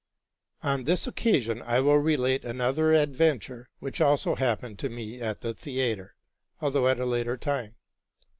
On this occasion I will relate another adventure which also happened to me at the theatre, although at a later time.